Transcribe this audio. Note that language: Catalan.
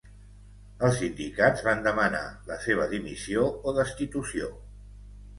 Els sindicats van demanar la seva dimissió o destitució.